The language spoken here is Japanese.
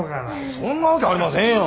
そんなわけありませんやん。